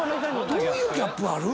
どういうギャップある？